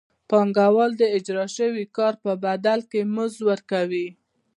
پانګوال د اجراء شوي کار په بدل کې مزد ورکوي